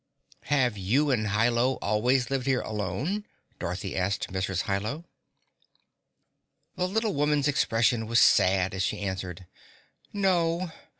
"Have you and Hi Lo always lived here alone?" Dorothy asked Mrs. Hi Lo. The little woman's expression was sad as she answered, "No.